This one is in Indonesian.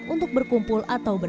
untuk berkumpul atau berkumpul